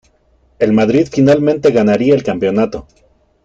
El Madrid finalmente ganaría el campeonato.